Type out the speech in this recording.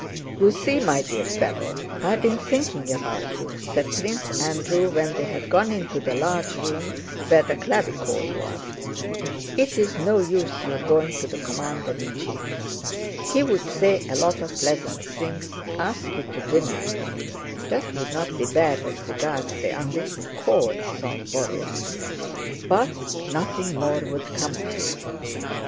"You see, my dear fellow, I have been thinking about you," said Prince Andrew when they had gone into the large room where the clavichord was. "It's no use your going to the commander in chief. He would say a lot of pleasant things, ask you to dinner" ("That would not be bad as regards the unwritten code," thought Borís), "but nothing more would come of it.